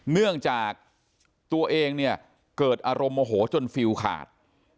เนื่องจากตัวเองเนี่ยเกิดอารมณ์โมโหจนฟิลขาด